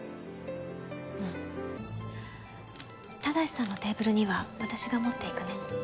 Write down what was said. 正さんのテーブルには私が持っていくね。